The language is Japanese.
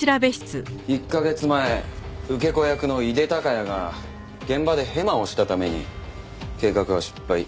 １カ月前受け子役の井手孝也が現場でヘマをしたために計画は失敗。